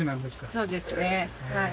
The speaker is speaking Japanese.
そうですねはい。